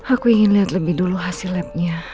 aku ingin lihat lebih dulu hasil labnya